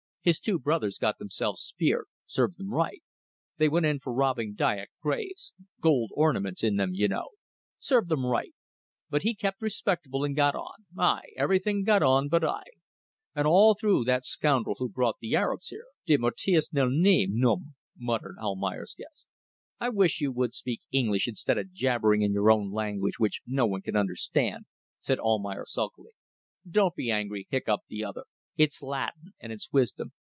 His two brothers got themselves speared served them right. They went in for robbing Dyak graves. Gold ornaments in them you know. Serve them right. But he kept respectable and got on. Aye! Everybody got on but I. And all through that scoundrel who brought the Arabs here." "De mortuis nil ni ... num," muttered Almayer's guest. "I wish you would speak English instead of jabbering in your own language, which no one can understand," said Almayer, sulkily. "Don't be angry," hiccoughed the other. "It's Latin, and it's wisdom.